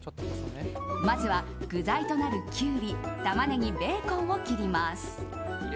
まずは具材となるキュウリタマネギ、ベーコンを切ります。